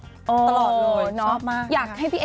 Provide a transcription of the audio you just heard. ชอบมาก